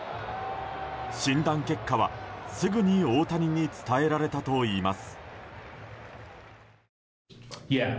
診断結果は、すぐに大谷に伝えられたといいます。